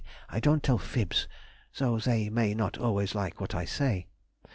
I don't tell fibs, though they may not always like what I say.